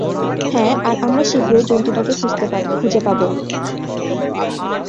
হ্যাঁ, আর আমরা শীঘ্রই জন্তুটাকে খুঁজে পাব।